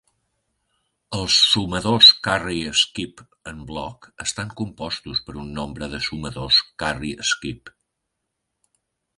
Els sumadors carry-skip en bloc estan compostos per un nombre de sumadors carry-skip.